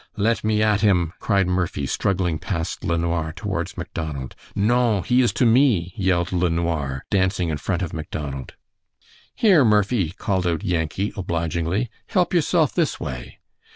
"Let me at him," cried Murphy, struggling past LeNoir towards Macdonald. "Non! He is to me!" yelled LeNoir, dancing in front of Macdonald. "Here, Murphy," called out Yankee, obligingly, "help yourself this way."